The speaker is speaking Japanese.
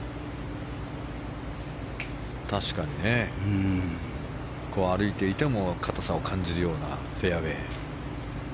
確かに、歩いていても硬さを感じるようなフェアウェー。